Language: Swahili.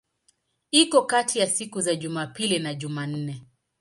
Iko kati ya siku za Jumapili na Jumanne.